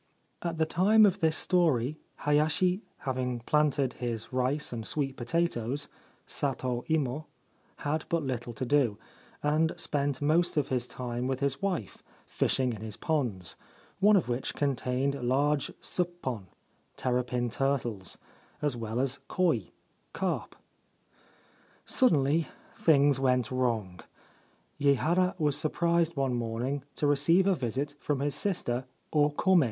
At the time of this story, Hayashi, having planted his rice and sweet potatoes (sato imo), had but little to do, and 253 Ancient Tales and Folklore of Japan spent most of his time with his wife, fishing in his ponds, one of which contained large suppon (terrapin turtles) as well as koi (carp). Suddenly things went wrong. Yehara was surprised one morning to receive a visit from his sister O Kome.